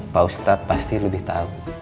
pak ustadz pasti lebih tahu